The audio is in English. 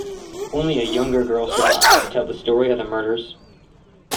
Only a younger girl survived to tell the story of the murders.